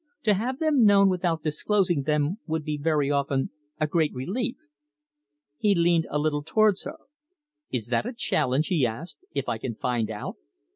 To have them known without disclosing them would be very often a great relief." He leaned a little towards her. "Is that a challenge?" he asked, "if I can find out?"